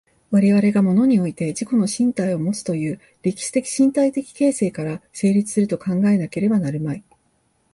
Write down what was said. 我々が物において自己の身体をもつという歴史的身体的形成から成立すると考えなければなるまい。